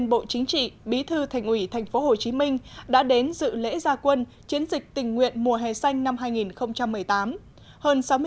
bí thư thành ủy tp hcm đã đến dự lễ gia quân chiến dịch tình nguyện mùa hè xanh năm hai nghìn một mươi tám